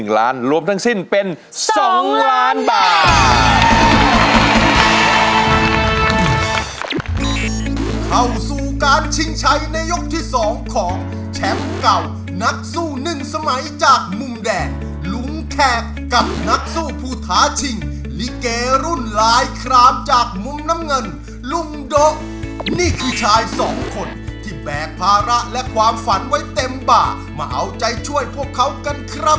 เข้าสู่การชิงชัยในยกที่๒ของแชมป์เก่านักสู้หนึ่งสมัยจากมุมแดงลุงแขกกับนักสู้ผู้ท้าชิงลิเกรุ่นลายครามจากมุมน้ำเงินลุงดกนี่คือชายสองคนที่แบกภาระและความฝันไว้เต็มป่ามาเอาใจช่วยพวกเขากันครับ